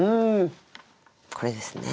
これですね。